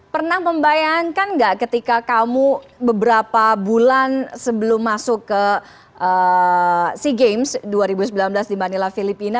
pernah membayangkan nggak ketika kamu beberapa bulan sebelum masuk ke sea games dua ribu sembilan belas di manila filipina